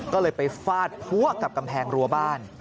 ก็เลยไปฟาดพัวกับกำแพงรั้วบ้าน